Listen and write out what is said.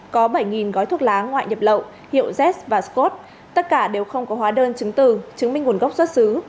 có bảy gói thuốc lá ngoại nhập lậu hiệu z và scott tất cả đều không có hóa đơn chứng từ chứng minh nguồn gốc xuất xứ